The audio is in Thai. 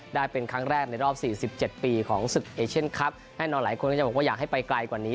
ได้เป็นครั้งแรกในรอบ๔๗ปีของสุกเอเชนท์ครับแห้งนอนหลายคนก็จะบอกว่าอยากให้ไปไกลกว่านี้